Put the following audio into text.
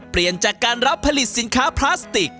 เปลี่ยนจากการรับผลิตสินค้าพลาสติก